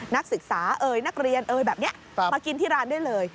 นักศึกษาเอ่ยนักเรียนเอ่ยแบบนี้มากินที่ร้านได้เลย